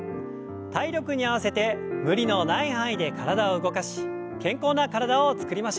体力に合わせて無理のない範囲で体を動かし健康な体をつくりましょう。